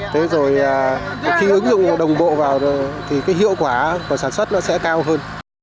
thế rồi khi ứng dụng đồng bộ vào thì hiệu quả của sản xuất sẽ cao hơn